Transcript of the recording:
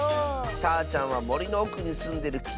たーちゃんはもりのおくにすんでるき